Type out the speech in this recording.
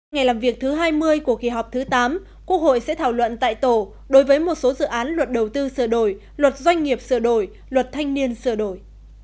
ngày làm việc thứ hai mươi của kỳ họp thứ tám quốc hội sẽ thảo luận tại tổ đối với một số dự án luật đầu tư sửa đổi luật doanh nghiệp sửa đổi luật thanh niên sửa đổi